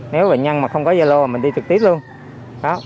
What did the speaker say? nếu bệnh nhân mà không có gia lô mà mình đi trực tiếp luôn